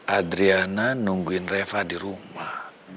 adriana nungguin reva di rumah